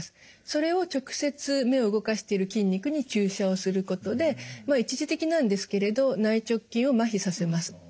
それを直接目を動かしている筋肉に注射をすることでまあ一時的なんですけれど内直筋を麻痺させます。